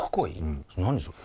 何それ。